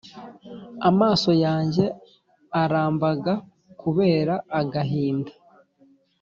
Amaso yanjye arambaga kubera agahinda